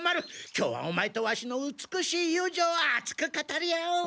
今日はオマエとワシの美しい友情を熱く語り合おう！